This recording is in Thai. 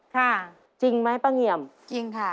ค่ะจริงไหมป้าเงี่ยมจริงค่ะ